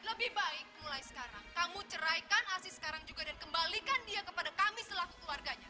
lebih baik mulai sekarang kamu ceraikan asis sekarang juga dan kembalikan dia kepada kami selaku keluarganya